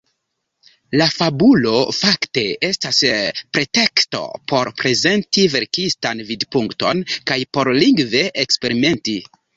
La fabulo fakte estas preteksto por prezenti verkistan vidpunkton kaj por lingve eksperimenti.